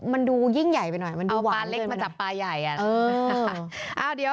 มันดูยิ่งใหญ่ไปหน่อยมันดูหวานเลยนะเอาปลาเล็กมาจับปลาใหญ่อ่ะเออ